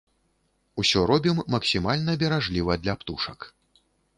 Усё робім максімальна беражліва для птушак.